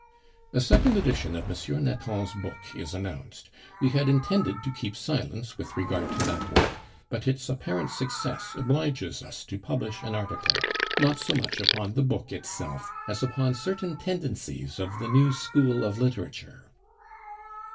"A second edition of M. Nathan's book is announced. We had intended to keep silence with regard to that work, but its apparent success obliges us to publish an article, not so much upon the book itself as upon certain tendencies of the new school of literature."